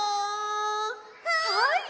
はい！